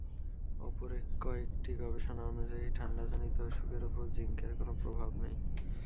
অপর কয়েকটি গবেষণা অনুযায়ী, ঠান্ডাজনিত অসুখের ওপর জিংকের কোনো প্রভাব নেই।